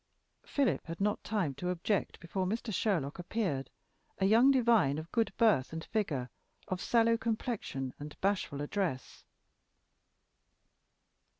Philip had not time to object before Mr. Sherlock appeared a young divine of good birth and figure, of sallow complexion and bashful address.